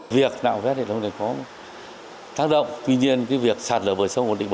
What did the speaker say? việc nạo vét này nó có tác động tuy nhiên cái việc sạt lửa bờ sông